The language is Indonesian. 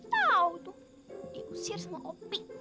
tau tuh diusir semua opik